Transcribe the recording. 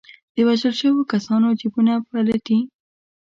د وژل شوو کسانو جېبونه پلټي.